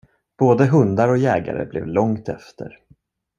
Både hundar och jägare blev långt efter.